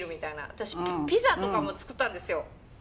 私ピザとかも作ったんですよ。